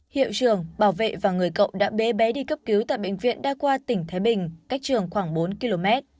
hiệu trường bảo vệ và người cậu đã bế bé đi cấp cứu tại bệnh viện đa khoa tỉnh thái bình cách trường khoảng bốn km